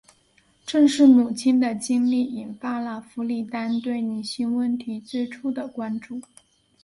正是母亲的经历引发了弗里丹对女性问题最初的关注。